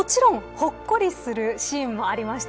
ほっこりするシーンもありました。